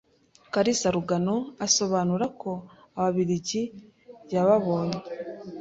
Kalisa Rugano, asobanura ko Ababiligi yababonye